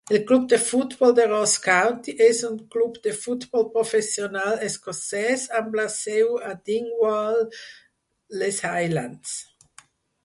El club de futbol de Ross County és un club de futbol professional escocès amb la seu a Dingwall, les Highlands.